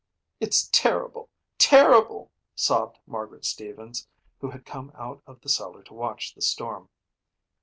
"It's terrible, terrible," sobbed Margaret Stevens, who had come out of the cellar to watch the storm.